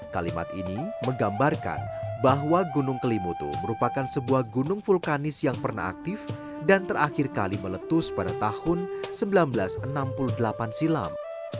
kalimat ini menggambarkan bahwa gunung kelimutu merupakan sebuah gunung vulkanis yang pernah aktif dan terakhir kali meletus pada tahun seribu sembilan ratus enam puluh delapan silam